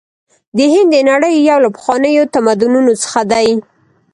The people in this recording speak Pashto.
هند د نړۍ یو له پخوانیو تمدنونو څخه دی.